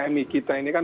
masih bisa ditemukan